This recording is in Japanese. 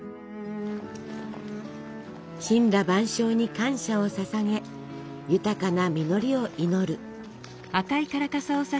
森羅万象に感謝をささげ豊かな実りを祈る。